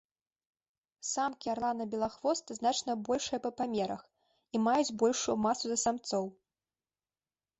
Самкі арлана-белахвоста значна большыя па памерах і маюць большую масу за самцоў.